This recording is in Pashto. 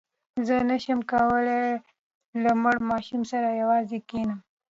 زه نه شم کولای له مړ ماشوم سره یوازې کښېنم.